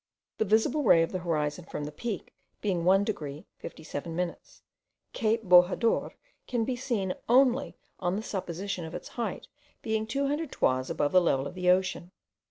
The visual ray of the horizon from the Peak being 1 degree 57 minutes, cape Bojador can be seen only on the supposition of its height being 200 toises above the level of the ocean.